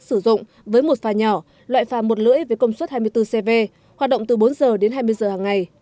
sử dụng với một phà nhỏ loại phà một lưỡi với công suất hai mươi bốn cv hoạt động từ bốn giờ đến hai mươi giờ hàng ngày